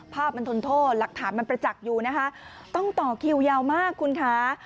ภาพมันทนโทษหลักฐานมันประจักษ์อยู่นะคะต้องต่อคิวยาวมากคุณคะ